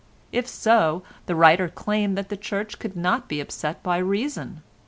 If so, the writer claimed that the Church could not be upset by reason.